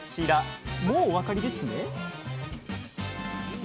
もうお分かりですね？